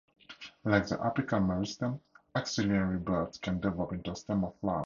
Like the apical meristem, axillary buds can develop into a stem or flower.